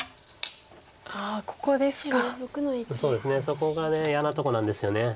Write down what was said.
そこが嫌なとこなんですよね。